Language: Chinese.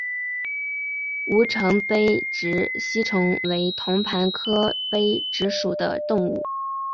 吴城杯殖吸虫为同盘科杯殖属的动物。